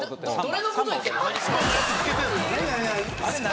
あれ何？